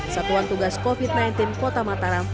satuan tugas covid sembilan belas kota mataram